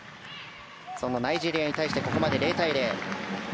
そのナイジェリアに対してここまで０対０。